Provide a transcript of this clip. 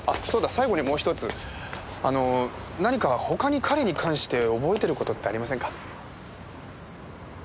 最後にもうひとつ何か他に彼に関して覚えてる事ってありませんか？